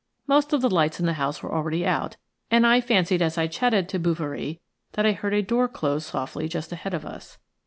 Most of the lights in the house were already out, and I fancied as I chatted to Bouverie that I heard a door close softly just ahead of us.